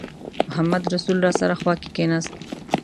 محمدرسول راسره خوا کې کېناست.